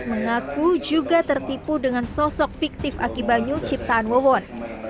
mengaku juga tertipu dengan sosok fiktif akibanyu ciptaan wawon